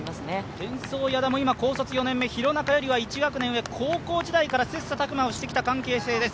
デンソー・矢田も高卒４年目、廣中よりは１学年上、高校時代から切磋琢磨をしてきた関係性です。